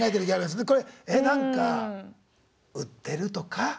これえなんか売ってるとか？